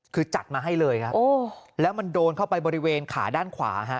คือจัดมาให้เลยครับแล้วมันโดนเข้าไปบริเวณขาด้านขวาฮะ